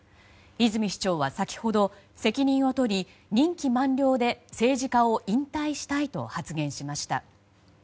泉市長は先ほど責任を取り任期満了で政治家を引退したいと発言しました。